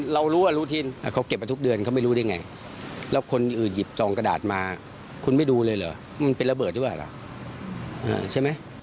แล้วคนอื่นหยิบซองกระดาษมาคุณไม่ดูเลยเหรอมันเป็นระเบิดด้วยหรอใช่ไหม